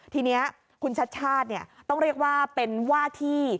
ทีนี้คุณชัดชาติต้องเรียกว่าเป็นว่าที่